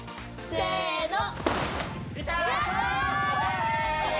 せの！